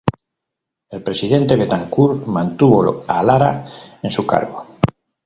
El presidente Betancur mantuvo a Lara en su cargo.